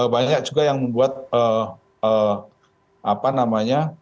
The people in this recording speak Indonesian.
banyak juga yang membuat apa namanya